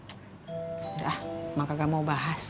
sudah maka gak mau bahas